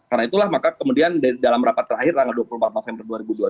karena itulah maka kemudian dalam rapat terakhir tanggal dua puluh empat november dua ribu dua puluh dua